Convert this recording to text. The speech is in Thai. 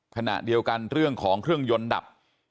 ขณะเดียวกันเรื่องของเครื่องยนต์ดับ